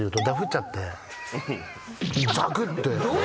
ザクって。